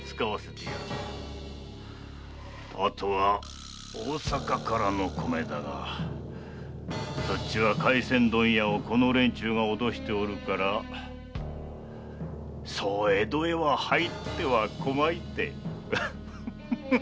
あとは大阪からの米だが廻船問屋をこの連中が脅しておるからそう江戸へは入っては来まいて。